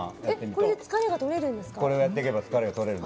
これで疲れが取れるんですか？